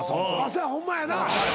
せやホンマやな。